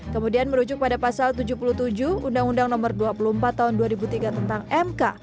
kemudian merujuk pada pasal tujuh puluh tujuh undang undang nomor dua puluh empat tahun dua ribu tiga tentang mk